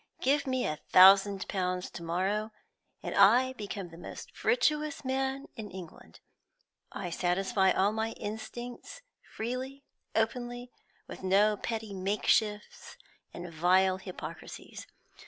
Give me a thousand pounds to morrow, and I become the most virtuous man in England. I satisfy all my instincts freely, openly, with no petty makeshifts and vile hypocrisies.